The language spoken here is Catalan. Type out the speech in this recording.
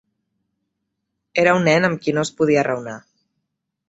Era un nen amb qui no es podia raonar.